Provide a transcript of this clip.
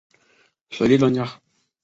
水利专家。